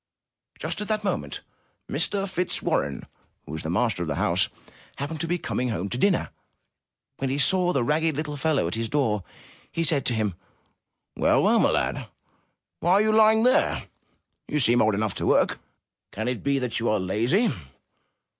Just at that moment, Mr. Fitzwarren, who was the master of the house, happened to be coming home to dinner. When he saw the ragged little fellow at his door, he said to him: 331 MY BOOK HOUSE "Well, well, my lad! Why are you lying there? You seem old enough to work. Can it be that you are lazy?"